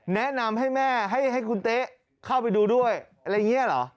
แนะนำให้แม่ให้คุณเต๊ะเข้าไปดูด้วยอะไรอย่างนี้เหรอ